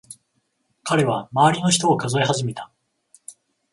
彼は周りの人を数え始めた。